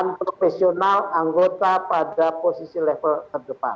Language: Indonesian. untrprofesional anggota pada posisi level terdepan